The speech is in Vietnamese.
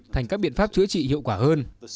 thành các biện pháp chữa trị hiệu quả hơn